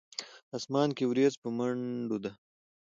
اسمان کښې وريځ پۀ منډو ده